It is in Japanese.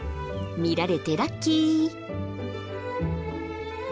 見られてラッキー！